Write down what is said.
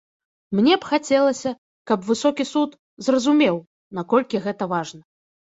Мне б хацелася, каб высокі суд зразумеў, наколькі гэта важна.